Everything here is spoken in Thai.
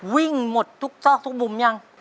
วิ่งหมดทุกซอกทุกมุมยัง